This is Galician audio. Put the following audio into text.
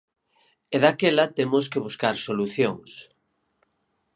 E daquela temos que buscar solucións.